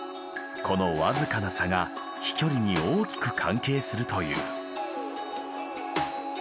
この僅かな差が飛距離に大きく関係するという。